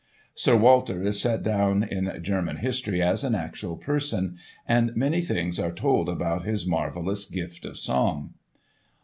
Sir Walter is set down in German history as an actual person, and many things are told about his marvellous gift of song.